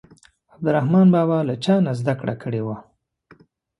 عبدالرحمان بابا له چا نه زده کړه کړې وه.